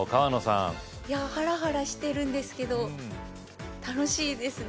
いやハラハラしてるんですけど楽しいですね